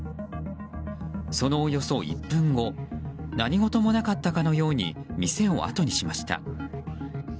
そのおよそ１分後何事もなかったかのように店をあとにしました。